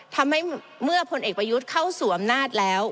ทำให้เมื่อพลเอกประยุทธ์เข้าสู่อำนาจแล้ว